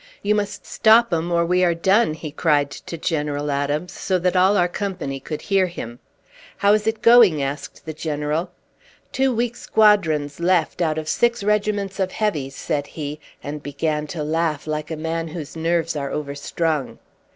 "You must stop 'em, or we are done!" he cried to General Adams, so that all our company could hear him. "How is it going?" asked the general. "Two weak squadrons left out of six regiments of heavies," said he, and began to laugh like a man whose nerves are overstrung.